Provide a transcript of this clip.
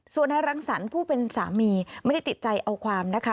ส่วนนายรังสรรค์ผู้เป็นสามีไม่ได้ติดใจเอาความนะคะ